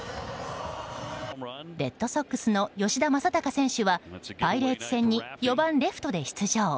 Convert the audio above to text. レッドソックスの吉田正尚選手はパイレーツ戦に４番レフトで出場。